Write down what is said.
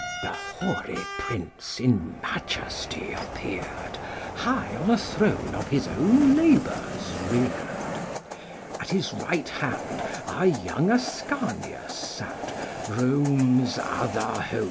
The hoary prince in majesty appear'd, High on a throne of his own labours rear'd. At his right hand our young Ascanius sate, Rome's other hope, and pillar of the state.